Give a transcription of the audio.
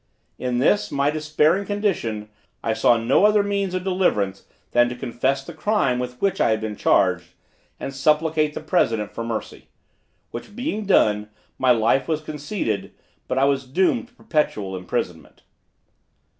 In this, my despairing condition, I saw no other means of deliverance than to confess the crime, with which I had been charged, and supplicate the president for mercy: which being done, my life was conceded, but I was doomed to perpetual imprisonment.